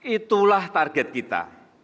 itulah target kita